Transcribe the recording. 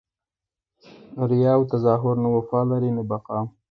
ریاء او تظاهر نه وفا لري نه بقاء!